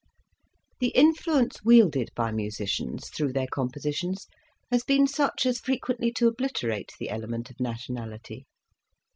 The influence wielded by musicians, through their compositions, has been such as frequently to obliterate the element of nationality.